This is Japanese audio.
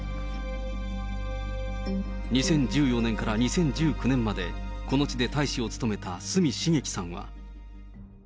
２０１４年から２０１９年まで、この地で大使を務めた角茂樹さんは。